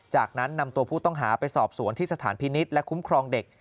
จากนั้นนำตัวผู้ต้องหาไปสอบสวนที่สถานพินิษฐ์และคุ้มครองเด็ก